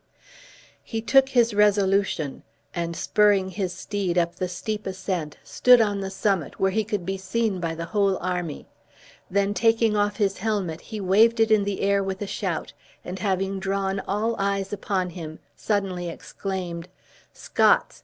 He took his resolution; and spurring his steed up the steep ascent, stood on the summit, where he could be seen by the whole army then taking off his helmet, he waved it in the air with a shout, and having drawn all eyes upon him, suddenly exclaimed, "Scots!